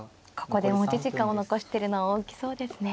ここで持ち時間を残してるのは大きそうですね。